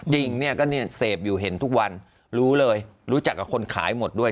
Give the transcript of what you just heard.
จริงเนี่ยก็เนี่ยเสพอยู่เห็นทุกวันรู้เลยรู้จักกับคนขายหมดด้วย